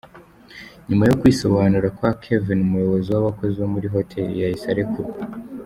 Nyuma yo kwisobanura kwa Kevin umuyobozi w’abakozi bo muri hoteli yahise arekurwa.